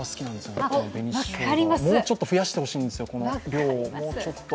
もうちょっと増やしてほしいんですよ、もうちょっと。